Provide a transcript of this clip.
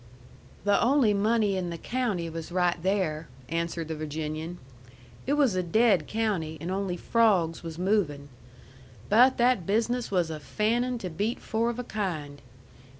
"The only money in the county was right there," answered the Virginian. "It was a dead county, and only frawgs was movin'. But that business was a fannin' to beat four of a kind.